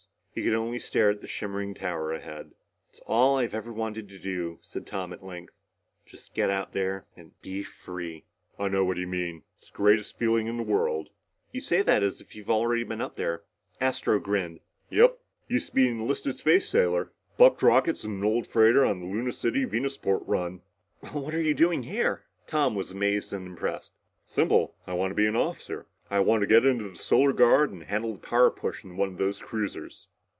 He could only stare at the shimmering tower ahead. "It's all I've ever wanted to do," said Tom at length. "Just get out there and be free!" "I know what you mean. It's the greatest feeling in the world." "You say that as if you've already been up there." Astro grinned. "Yup. Used to be an enlisted space sailor. Bucked rockets in an old freighter on the Luna City Venusport run." "Well, what are you doing here?" Tom was amazed and impressed. "Simple. I want to be an officer. I want to get into the Solar Guard and handle the power push in one of those cruisers."